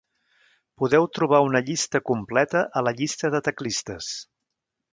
Podeu trobar una llista completa a la llista de teclistes.